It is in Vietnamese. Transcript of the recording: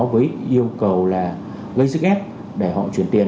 với yêu cầu là gây sức ép để họ chuyển tiền